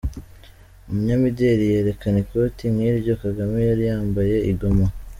umunyamideri yerekana ikoti nk’iryo Kagame yari yambaye i Ngoma